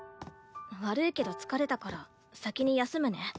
悪いけど疲れたから先に休むね。